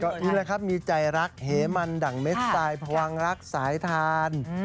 ก็นี่แหละครับมีใจรักเหมันดั่งเม็ดไซด์พวังรักสายทาน